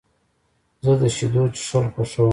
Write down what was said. زه د شیدو څښل خوښوم.